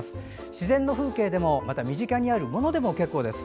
自然の風景でも身近にあるものでも結構です。